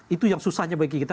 itu yang susahnya bagi kita